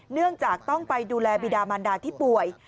เนื่องจากต้องไปดูแลบีดามันดาที่ป่วย